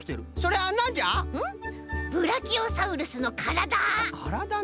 ブラキオサウルスのからだ！からだな。